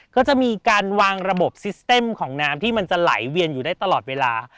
ก็จะมีการวางระบบซิสเต็มของน้ำที่มันจะไหลเวียนอยู่ได้ตลอดเวลา